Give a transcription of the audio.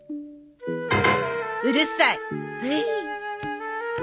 うるさい！